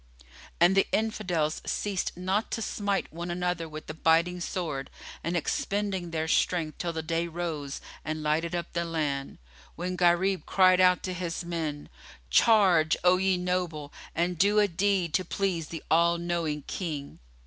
And the Infidels ceased not to smite one another with the biting sword and expending their strength till the day rose and lighted up the land, when Gharib cried out to his men, "Charge, O ye noble, and do a deed to please the All knowing King!"